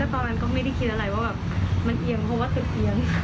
ตอนนั้นก็ไม่ได้คิดอะไรว่าแบบมันเอียงเพราะว่าตึกเอียง